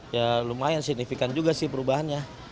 ya lumayan signifikan juga sih perubahannya